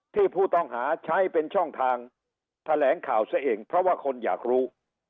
ที่ผู้ต้องหาใช้เป็นช่องทางแถลงข่าวซะเองเพราะว่าคนอยากรู้